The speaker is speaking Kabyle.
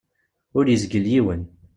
Ur izgil yiwen.